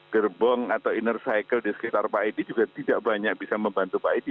gerbong atau inner cycle di sekitar pak edi juga tidak banyak bisa membantu pak edi